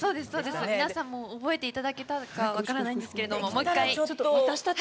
皆さんも覚えていただけたか分からないんですけどもう１回。